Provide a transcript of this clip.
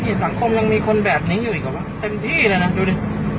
นี่สังคมยังมีคนแบบนี้อยู่อีกเหรอวะเต็มที่เลยนะดูดิ